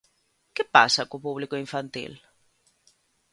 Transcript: ¿Que pasa co público infantil?